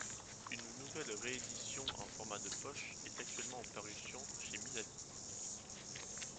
Une nouvelle réédition en format de poche est actuellement en parution chez Milady.